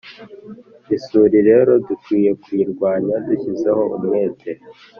Isuri rero dukwiye kuyirwanya dushyizeho umwete